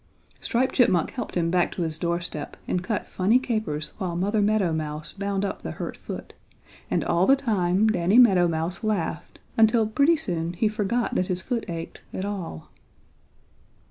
Striped Chipmunk helped him back to his doorstep and cut funny capers while Mother Meadow Mouse bound up the hurt foot, and all the time Danny Meadow Mouse laughed until pretty soon he forgot that his foot ached at all.